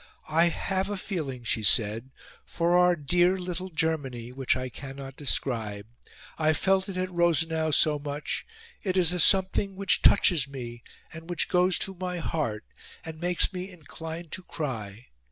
"I have a feeling," she said, "for our dear little Germany, which I cannot describe. I felt it at Rosenau so much. It is a something which touches me, and which goes to my heart, and makes me inclined to cry.